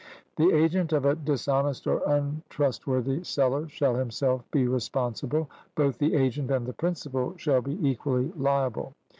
The agent of a dishonest or untrustworthy seller shall himself be responsible; both the agent and the principal shall be equally liable.